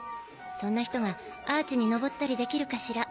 そんな人がアーチに登ったりできるかしら？